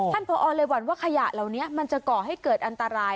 อ๋อท่านพอเลยว่าขยะเหล่านี้มันจะก่อให้เกิดอันตราย